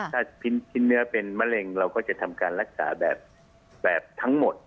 ถ้าชิ้นเนื้อเป็นมะเร็งเราก็จะทำการรักษาแบบทั้งหมด